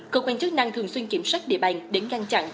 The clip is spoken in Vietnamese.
cơ quan chức năng thường xuyên kiểm soát địa bàn để ngăn chặn